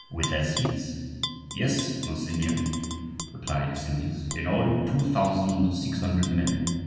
"With their suites?" "Yes, monseigneur," replied Simeuse; "in all, two thousand six hundred men.